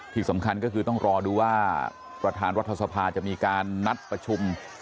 ที่สำคัญก็คือต้องรอดูว่าประธานรัฐสภาจะมีการนัดประชุม